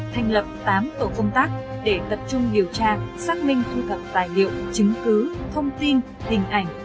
thành lập tám tổ công tác để tập trung điều tra xác minh thu thập tài liệu chứng cứ thông tin hình ảnh